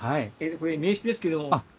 これ名刺ですけれども。